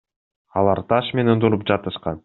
Алар таш менен уруп жатышкан.